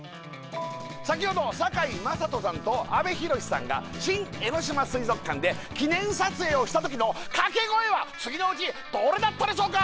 先ほど堺雅人さんと阿部寛さんが新江ノ島水族館で記念撮影をした時の掛け声は次のうちどれだったでしょうか？